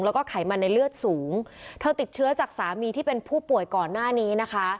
แล้วก็ไขมันในเลือดสูงเธอติดเชื้อจากสามีที่เป็นผู้ป่วยก่อนหน้านี้นะคะ